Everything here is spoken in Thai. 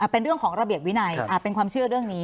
เป็นเรื่องของระเบียบวินัยเป็นความเชื่อเรื่องนี้